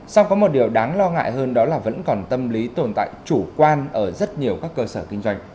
song có một điều đáng lo ngại hơn đó là vẫn còn tâm lý tồn tại chủ quan ở rất nhiều các cơ sở kinh doanh